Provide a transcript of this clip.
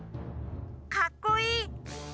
かっこいい。